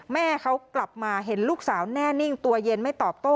แม่เขากลับมาเห็นลูกสาวแน่นิ่งตัวเย็นไม่ตอบโต้